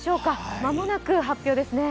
間もなく発表ですね。